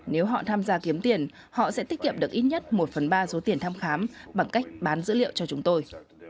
nếu họ tham gia kiếm tiền họ sẽ tiết kiệm được ít nhất một phần ba số tiền thăm khám bằng cách bán dữ liệu cho chúng tôi